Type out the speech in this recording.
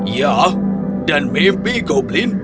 ya dan mimpi goblin